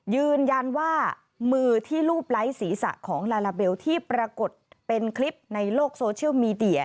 ยืนยันว่ามือที่รูปไร้ศีรษะของลาลาเบลที่ปรากฏเป็นคลิปในโลกโซเชียลมีเดีย